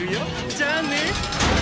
じゃあね！